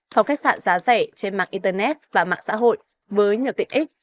phòng khách sạn giá rẻ trên mạng internet và mạng xã hội với nhiều tiện ích